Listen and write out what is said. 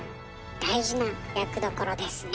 大事な役どころですね。